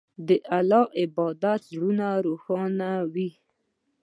د الله عبادت زړونه روښانوي.